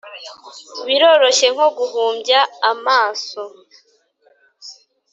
biroroshye, nko guhumbya amaso.